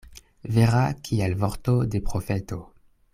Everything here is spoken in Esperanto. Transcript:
Vera kiel vorto de profeto.